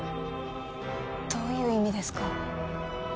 どういう意味ですか？